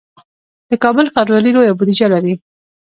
د کابل ښاروالي لویه بودیجه لري